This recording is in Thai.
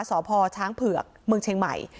สพช้างเผือกเมืองเชียงใหม่